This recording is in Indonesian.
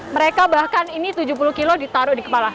mereka bahkan ini tujuh puluh kilo ditaruh di kepala